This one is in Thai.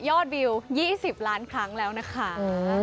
วิว๒๐ล้านครั้งแล้วนะคะ